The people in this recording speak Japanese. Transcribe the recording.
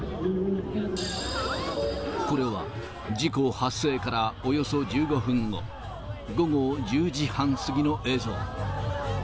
これは事故発生からおよそ１５分後、午後１０時半過ぎの映像。